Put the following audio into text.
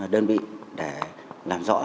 đơn vị để làm rõ